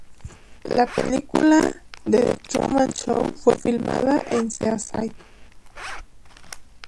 La película "The Truman Show" fue filmada en Seaside.